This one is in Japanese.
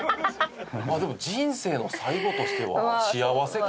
でも人生の最後としては幸せか。